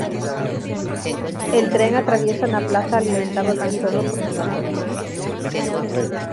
El tren atraviesa una plaza alimentado tan sólo por sus baterías.